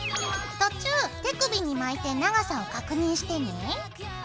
途中手首に巻いて長さを確認してね。